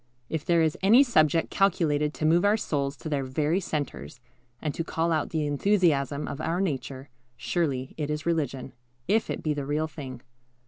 If there is any subject calculated to move our souls to their very centres, and to call out the enthusiasm of our nature, surely it is religion, if it be the real thing.